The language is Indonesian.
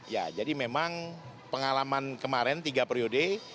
ya jadi memang pengalaman kemarin tiga periode